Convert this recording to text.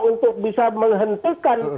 untuk bisa menghentikan